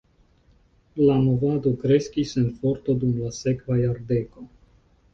La movado kreskis en forto dum la sekva jardeko.